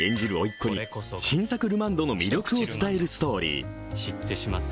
っ子に新作ルマンドの魅力を伝えるストーリー。